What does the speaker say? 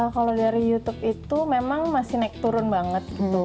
kalau dari youtube itu memang masih naik turun banget gitu